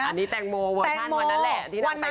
อันนี้แตงโมเวอร์ชั่นวันนั้นแหละ